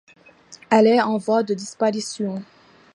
Elle est en voie de disparition.